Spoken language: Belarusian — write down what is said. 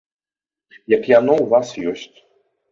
Як яно ў вас ёсць.